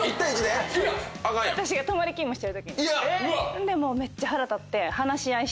ほんでもうめっちゃ腹立って話し合いして。